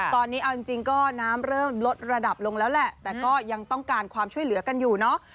ตอนนี้เอาจริงก็น้ำเริ่มลดระดับลงแล้วแหละแต่ก็ยังต้องการความช่วยเหลือกันอยู่เนาะ